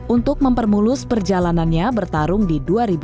untuk mempermulus perjalanannya bertarung di dua ribu dua puluh